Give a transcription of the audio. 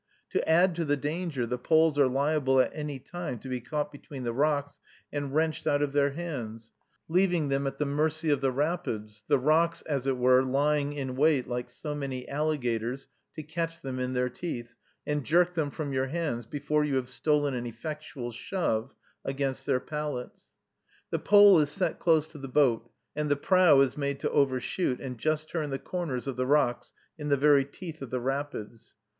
To add to the danger, the poles are liable at any time to be caught between the rocks, and wrenched out of their hands, leaving them at the mercy of the rapids, the rocks, as it were, lying in wait, like so many alligators, to catch them in their teeth, and jerk them from your hands, before you have stolen an effectual shove against their palates. The pole is set close to the boat, and the prow is made to overshoot, and just turn the corners of the rocks, in the very teeth of the rapids.